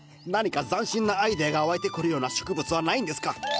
何か斬新なアイデアが湧いてくるような植物はないんですか？